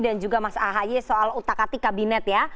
dan juga mas ahy soal utak atik kabinet ya